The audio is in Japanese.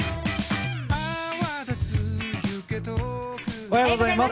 おはようございます。